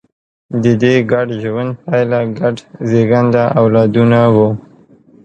د دې ګډ ژوند پایله ګډ زېږنده اولادونه وو.